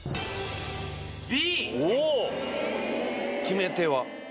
決め手は？